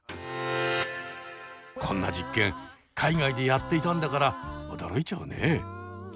こんな実験海外でやっていたんだから驚いちゃうね。